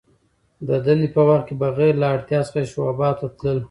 د دندي په وخت کي بغیر له اړتیا څخه شعباتو ته تلل .